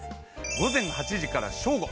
午前８時から正午。